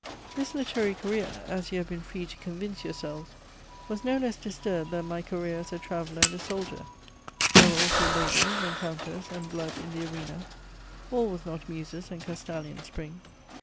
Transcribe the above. This literary career, as you have been free to convince yourselves, was no less disturbed than my career as a traveller and a soldier; there were also labours, encounters, and blood in the arena; all was not Muses and Castalian spring.